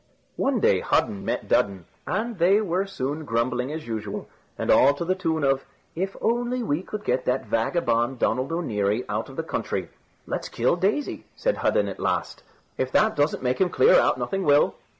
One day Hudden met Dudden, and they were soon grumbling as usual, and all to the tune of "If only we could get that vagabond Donald O'Neary out of the country." "Let's kill Daisy," said Hudden at last; "if that doesn't make him clear out, nothing will."